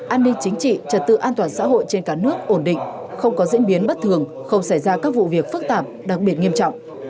an ninh chính trị trật tự an toàn xã hội trên cả nước ổn định không có diễn biến bất thường không xảy ra các vụ việc phức tạp đặc biệt nghiêm trọng